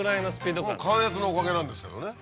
関越のおかげなんですけどね。